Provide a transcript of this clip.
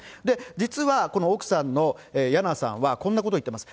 実はこの奥さんのヤナさんはこんなことを言ってます。